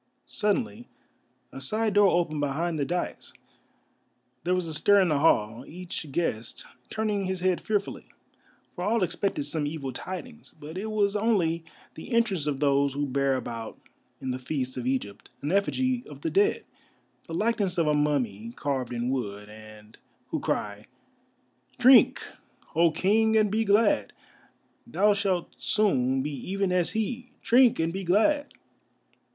Suddenly a side door opened behind the daïs, there was a stir in the hall, each guest turning his head fearfully, for all expected some evil tidings. But it was only the entrance of those who bear about in the feasts of Egypt an effigy of the Dead, the likeness of a mummy carved in wood, and who cry: "Drink, O King, and be glad, thou shalt soon be even as he! Drink, and be glad."